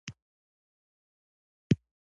له دې طبیعي جوړښت سره فرهنګي کړنې هم زیاتې شوې.